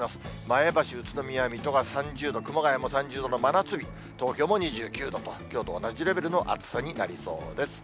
前橋、宇都宮、水戸が３０度、熊谷も３０度の真夏日、東京も２９度と、きょうと同じレベルの暑さになりそうです。